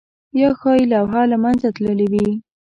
یا ښايي لوحه له منځه تللې وي؟